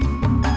liat dong liat